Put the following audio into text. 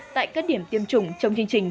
tại các điểm tiêm chủng trong chương trình